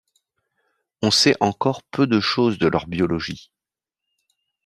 On sait encore peu de choses de leur biologie.